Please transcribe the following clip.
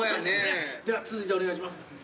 では続いてお願いします。